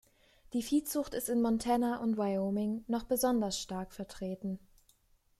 Die Viehzucht ist in Montana und Wyoming noch besonders stark vertreten.